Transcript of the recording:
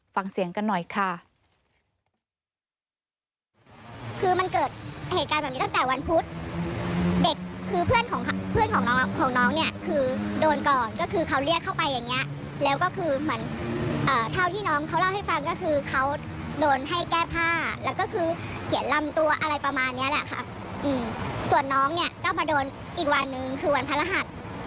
ฟังเสียงกันหน่อยค่ะ